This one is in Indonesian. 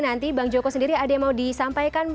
nanti bang joko sendiri ada yang mau disampaikan